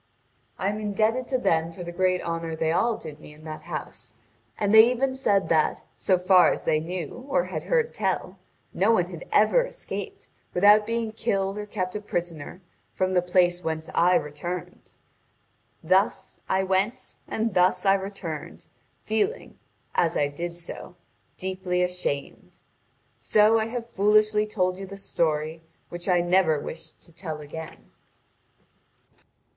I am indebted to them for the great honour they all did me in that house; and they even said that, so far as they knew or had heard tell, no one had ever escaped, without being killed or kept a prisoner, from the place whence I returned. Thus I went and thus I returned, feeling, as I did so, deeply ashamed. So I have foolishly told you the story which I never wished to tell again."